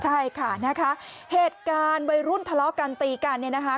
ใช่ค่ะนะคะเหตุการณ์วัยรุ่นทะเลาะกันตีกันเนี่ยนะคะ